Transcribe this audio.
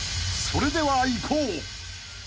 ［それではいこう］